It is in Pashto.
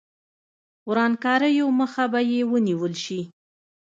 ورانکاریو مخه به یې ونیول شي.